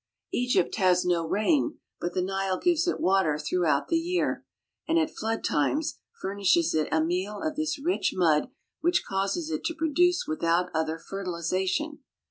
Egypt has no rain, but the Nile gives it water through out the year, and at flood times furnishes it a meal of this rich mud which causes it to produce without other fertili zation.